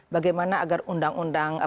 bagaimana agar undang undang